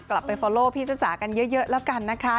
กลับไปฟอลโลพี่จ้าจ๋ากันเยอะแล้วกันนะคะ